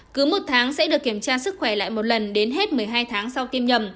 cứ một tháng sẽ được kiểm tra sức khỏe lại một lần đến hết một mươi hai tháng sau tiêm nhầm